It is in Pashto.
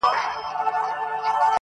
زما سره هغې نجلۍ بيا د يارۍ تار وتړی_